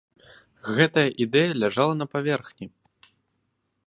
Гэтая ідэя ляжала на паверхні!